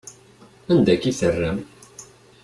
Anda akka i terram?